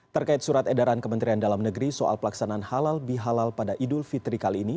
terkait surat edaran kementerian dalam negeri soal pelaksanaan halal bihalal pada idul fitri kali ini